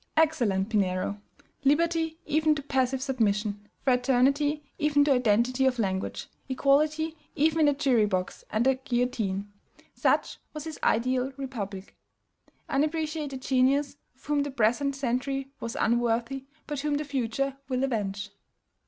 Excellent Pinheiro! Liberty even to passive submission, fraternity even to identity of language, equality even in the jury box and at the guillotine, such was his ideal republic. Unappreciated genius, of whom the present century was unworthy, but whom the future will avenge!